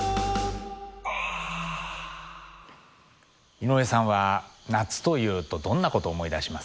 井上さんは夏というとどんなことを思い出しますか？